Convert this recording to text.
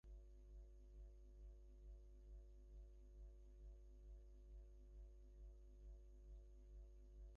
তন্তুবায়কন্যা কাত্যায়নীর বচনশ্রবণে আহ্লাদে অন্ধপ্রায়া হইয়া একের মস্তক অন্যের শরীরে যোজিত করিয়া দিল।